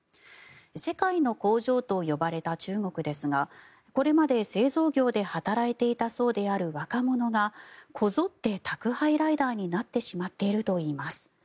世界の工場と呼ばれた中国ですがこれまで製造業で働いていた層である若者がこぞって宅配ライダーになってしまっているといいます。